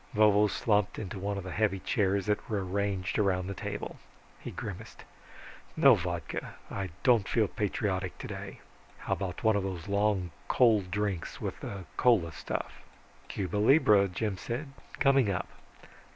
Vovo slumped into one of the heavy chairs that were arranged around the table. He grimaced, "No vodka, I don't feel patriotic today. How about one of those long cold drinks, with the cola stuff?" "Cuba libra," Jim said. "Coming up.